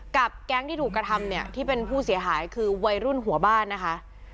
แก๊งที่ถูกกระทำเนี่ยที่เป็นผู้เสียหายคือวัยรุ่นหัวบ้านนะคะ